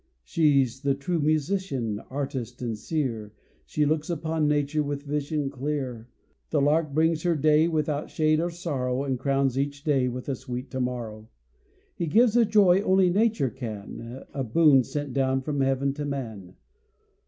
She's the true musician, artist and seer; She looks upon nature with vision clear. The lark brings her day without shade or sorrow, And crowns each day with a sweet tomorrow. He gives a joy only nature can, A boon sent down from heaven to man.